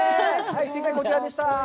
正解こちらでした。